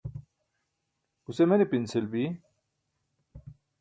guse mene pinsil bi?